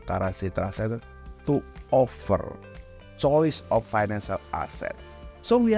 jadi kita memiliki kooperasi yang besar di indonesia dan bank pembangunan china